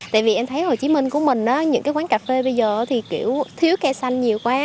tại vì em thấy hồ chí minh của mình những cái quán cà phê bây giờ thì kiểu thiếu cây xanh nhiều quá